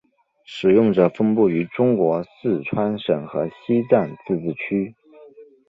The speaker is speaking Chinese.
使用者分布于中国四川省和西藏自治区。